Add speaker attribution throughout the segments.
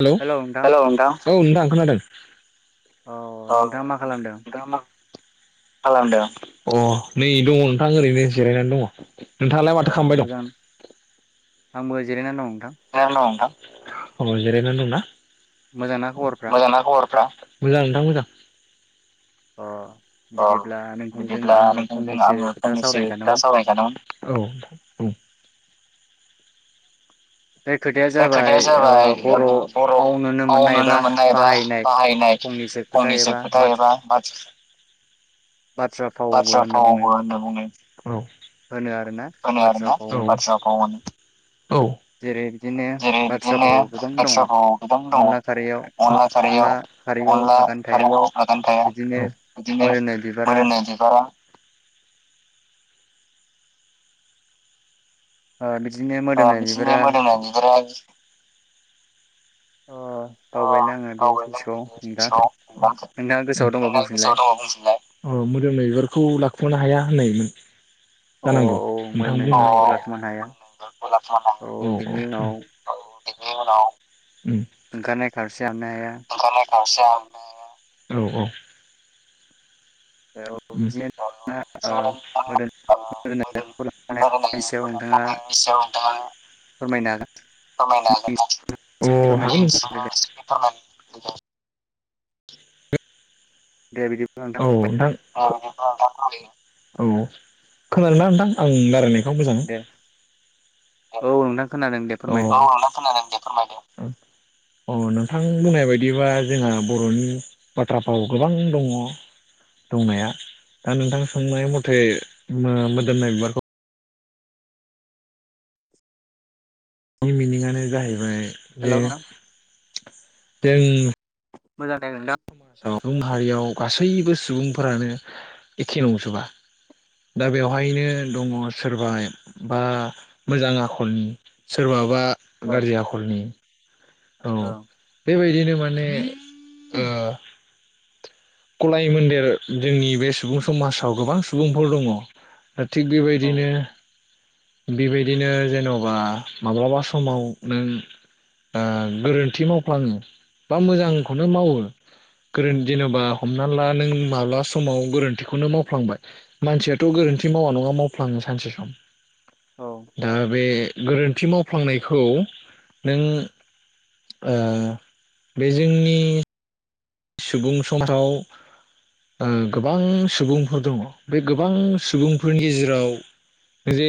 Speaker 1: हेल हेले नोंथां औ नोंथां खोनादों [inaudible] औ
Speaker 2: नोंथाङा मा खालामदों
Speaker 1: खालामदों अ नै दंङ नोंथां ओरैनो जिरायनानै दंङ नोंथाङालाय
Speaker 2: ओ
Speaker 1: माथो खालामबाय दं
Speaker 2: मोजां आंबो जिरायना दं
Speaker 1: [unintelligible] अ जिरायनानै दं ना
Speaker 2: मोजांना खबरफ्रा
Speaker 1: मोजां ना खबरफ्रा मोजां नोंथां मोजां
Speaker 2: अ बिदिब्ला
Speaker 1: अह
Speaker 2: नोंथांजों
Speaker 1: बिदिब्ला
Speaker 2: आङो
Speaker 1: नोंथांजों
Speaker 2: फंनैसो
Speaker 1: आंङो
Speaker 2: खोथा
Speaker 1: फंनैसो
Speaker 2: सावरायनो
Speaker 1: खोथा
Speaker 2: सानदोंमोन
Speaker 1: सावरायनो सानदोंमोन
Speaker 2: बे
Speaker 1: बे
Speaker 2: जाबाय
Speaker 1: खोथाया
Speaker 2: ओ
Speaker 1: जाबाय
Speaker 2: बर'आव नुनो
Speaker 1: बर'आव
Speaker 2: मोननाय बा
Speaker 1: नुनो मोननाय एबा
Speaker 2: बाहायनाय
Speaker 1: बाहायनाय
Speaker 2: खोथा एबा
Speaker 1: फंनैसो खोथा एबा बाथ
Speaker 2: बाथ्रा फावबो
Speaker 1: बाथ्रा
Speaker 2: होनना बुंनो
Speaker 1: फावबो होनना बुंङो औ
Speaker 2: होनो आरोना
Speaker 1: होनो
Speaker 2: बाथ्रा
Speaker 1: आरोना
Speaker 2: फाव होनो
Speaker 1: बाट्राफाव मोनो
Speaker 2: जेरै बिदिनो
Speaker 1: जेरै
Speaker 2: बाथ्रा
Speaker 1: बिदिनो
Speaker 2: फाव गोबां दङ
Speaker 1: बाथ्राफाव गोबां दङ
Speaker 2: अनला खारैयाव
Speaker 1: अनला
Speaker 2: अनला
Speaker 1: खारियाव
Speaker 2: खारैयाव
Speaker 1: अनला
Speaker 2: आगान थाया
Speaker 1: खारियाव आगान थाया
Speaker 2: बिदिनो
Speaker 1: बिदिनो मोदोमनाय बिबारा [unintelligible]
Speaker 2: [unintelligible]
Speaker 1: अ
Speaker 2: मोदोमनाय
Speaker 1: बिदिनो
Speaker 2: बिबारा
Speaker 1: मोदोमनाय बिबारा
Speaker 2: अ बावबायलै आङो
Speaker 1: [unintelligible]
Speaker 2: बे ससेखौ नोंथां नोंथाङा गोसोआव दंबा बुंफिनलाय
Speaker 1: अ मोदोमनाय बिबारखौ लाखमानो हाया फनायोमोन [unintelligible]
Speaker 2: अ
Speaker 1: जानांगौ
Speaker 2: औ
Speaker 1: नोंथां
Speaker 2: मोदोमनाय
Speaker 1: औ
Speaker 2: बिबारखौ लाखोमानो हाया
Speaker 1: औ
Speaker 2: बिनि उनाव
Speaker 1: बिनि उनाव उम
Speaker 2: [unintelligible] जानो हाया
Speaker 1: आसा औ औ
Speaker 2: औ बिदिनो ओ मोदोमनाय बिबारखौ लाखोमानो हायानि सायाव नोंथाङा फोरमायनो हागोन फोरमायनो
Speaker 1: [unintelligible] [unintelligible]
Speaker 2: दे बिदिब्ला
Speaker 1: औ नोंथां
Speaker 2: फोरमायदो
Speaker 1: अ अ अ ओं खोनादों ना नोंथां आं रालायनायखौ मोजां
Speaker 2: दे औ नोंथां खोनादों दे
Speaker 1: औ
Speaker 2: फोरमाय
Speaker 1: [unintelligible] अ नोंथां बुंनाय बायदिबा जोंहा बर'नि बाथ्राफोराव गोबां दंङ दंनाया दा नोंथां सोंनाय मथे मोदोमनाय बिबारखौ नि मिनिंआनो जाहैबाय
Speaker 2: हेल'
Speaker 1: जे
Speaker 2: नोंथां
Speaker 1: दों
Speaker 2: मोजां दे नोंथां
Speaker 1: समाजाव [unintelligible] हायाव गासैबो सुबुंफोरानो एखे नंजोबा दा बेवहायनो दङ' सोरबा बा मोजां आखलनि सोरबाबा [unintelligible]
Speaker 2: औ
Speaker 1: गाज्रि आखलनि औ बेबायदिनो माने ओ गलाय मोन्देर जोंनि बे सुबुं समाजाव गोबां सुबुंफोर दङ' ओ थिग बेबायदिनो बेबायदिनो जेन'बा माब्लाबा समाव नों आ गोरोन्थि मावफ्लाङो बा मोजांखौनो मावो गोरोन [unintelligible] जेन'बा हमना ला नों माब्ला समाव गोरोन्थिखौनो मावफ्लांबाय मानसियाथ' गोरोन्थि मावा नङा मावफ्लाङो सानसे सम
Speaker 2: औ
Speaker 1: दा बे गोरोन्थि मावफ्लांनायखौ नों ओ बे जोंनि सुबुं समाजाव ओ गोबां सुबुंफोर दङ' बे गोबां सुबुंफोरनि गेजेराव जे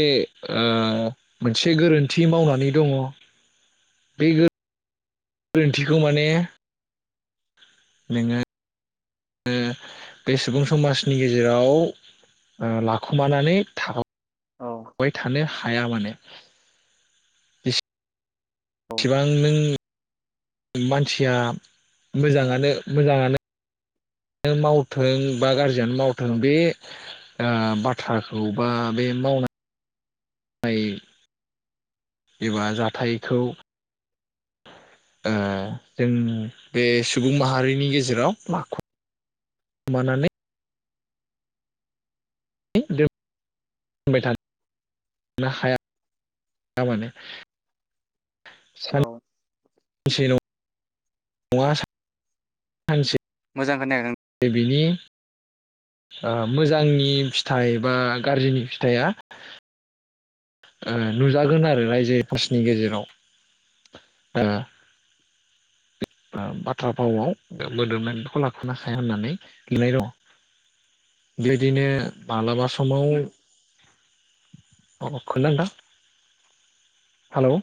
Speaker 1: ओ मोनसे गोरोन्थि मावनानै दङ' बे गो रोन्थिखौ माने [unintelligible] [unintelligible] बे सुबुं समाजनि गेजेराव ओ लाखुमानानै था [unintelligible]
Speaker 2: औ
Speaker 1: अवाय थानो हाया माने बिस
Speaker 2: औ
Speaker 1: सिबां नों [unintelligible] मानसिया ब मोजाङानो मोजाङानो [unintelligible] मावथों बा गाज जियानो मावथों
Speaker 2: औ
Speaker 1: बे आम बाथ्राखौ बा बे मावना नाय एबा जाथायखौ ओ जों बे सुबुं माहारिनि गेजेराव माखौ [unintelligible] [unintelligible] बुंबाय था [unintelligible] नो हाया या माने सान
Speaker 2: औ
Speaker 1: [unintelligible] सेल' [unintelligible] सा सानसे
Speaker 2: [unintelligible]
Speaker 1: बिनि ओ मोजांनि फिथाइ बा गाज्रिनि फिथाइया ओ नुजागोन आरो रायजो [unintelligible] गेजेराव आ [unintelligible] बाथ्रा फावआव मोदोमनायखौ [unintelligible] बेबायदिनो मालाबा समाव [unintelligible] हेल'